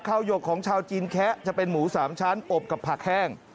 หยกของชาวจีนแคะจะเป็นหมู๓ชั้นอบกับผักแห้ง